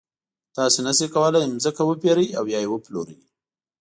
تاسو نشئ کولای ځمکه وپېرئ او یا یې وپلورئ.